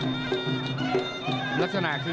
นี่เป็นคู่ที่สามรองผู้เอกแล้วด้วย